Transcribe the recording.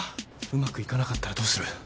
うまくいかなかったらどうする？